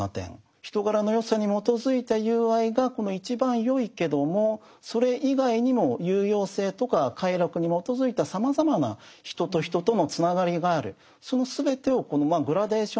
人柄の善さに基づいた友愛が一番よいけどもそれ以外にも有用性とか快楽に基づいたさまざまな人と人とのつながりがある。